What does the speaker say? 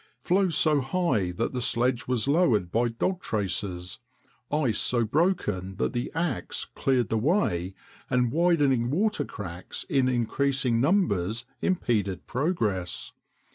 Floes so high that the sledge was lowered by dog traces, ice so broken that the ax cleared the way, and widening water cracks in increasing numbers impeded progress.